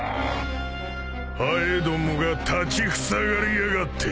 ハエどもが立ちふさがりやがって。